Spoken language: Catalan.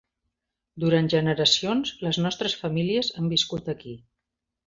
Durant generacions, les nostres famílies han viscut aquí.